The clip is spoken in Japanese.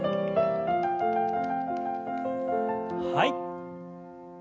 はい。